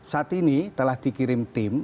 saat ini telah dikirim tim